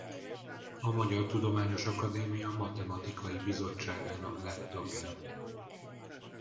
A Magyar Tudományos Akadémia Matematikai Bizottságának lett tagja.